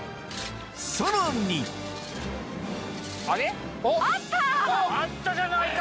さらにあれ？あったじゃないか！